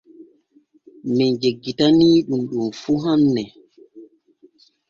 Men jeggitanii ɗun ɗon fu hanne.